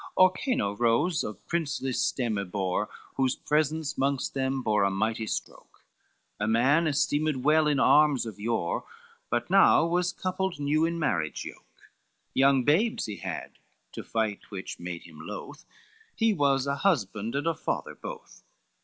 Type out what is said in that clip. Orcano rose, of princely stem ybore, Whose presence 'mongst them bore a mighty stroke, A man esteemed well in arms of yore, But now was coupled new in marriage yoke; Young babes he had, to fight which made him loth, He was a husband and a father both.